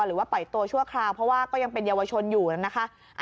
ปล่อยตัวชั่วคราวเพราะว่าก็ยังเป็นเยาวชนอยู่นะคะ